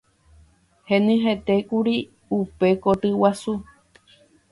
Henyhẽtékuri upe koty guasu.